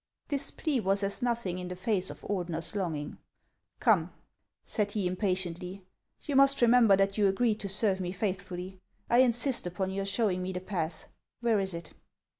This plea was as nothing in the face of Ordener's longing. " Corne," said he, impatiently, " you must remember that you agreed to serve me faithfully. I insist upon your showing me the path ; where is it